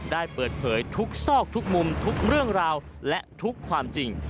ได้เปิดเผยทุกซอกทุกมุมทุกเรื่องราวและทุกความจริง